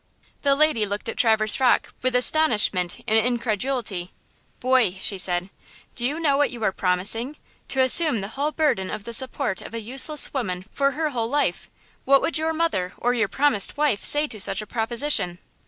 The lady looked at Traverse Rocke with astonishment and incredulity. "Boy," she said, "do you know what you are promising–to assume the whole burthen of the support of a useless woman for her whole life? What would your mother or your promised wife say to such a proposition?"